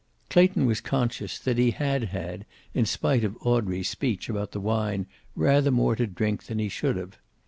Clayton was conscious that he had had, in spite of Audrey's speech about the wine, rather more to drink than he should have.